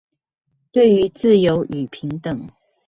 對於自由與平等